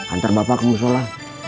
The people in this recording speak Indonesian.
antar bapak ke musyola